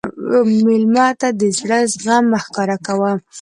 مېلمه ته د زړه زخم مه ښکاره کوه.